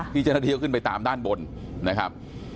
ที่นี่ก็ขึ้นไปตามด้านบนนะครับ